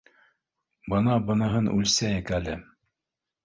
Бына быныһын үлсәйек әле.